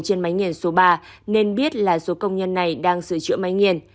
trên máy nghiền số ba nên biết là số công nhân này đang sửa chữa máy nghiền